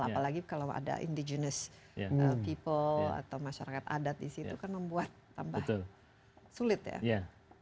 apalagi kalau ada indigenous people atau masyarakat adat di situ kan membuat tambah sulit ya